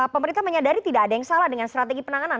pemerintah menyadari tidak ada yang salah dengan strategi penanganan